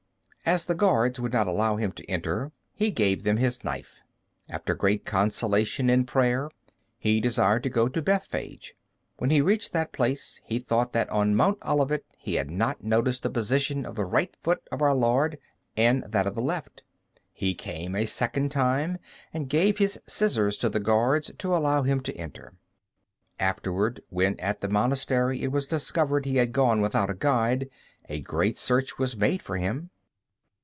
As the guards would not allow him to enter, he gave them his knife. After great consolation in prayer he desired to go to Bethphage. When he reached that place, he thought that on Mount Olivet he had not noticed the position of the right foot of Our Lord and that of the left. He came a second time, and gave his scissors to the guards to allow him to enter. Afterward when at the monastery it was discovered he had gone without a guide, a great search was made for him.